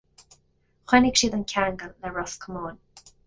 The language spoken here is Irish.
Choinnigh siad an ceangal le Ros Comáin.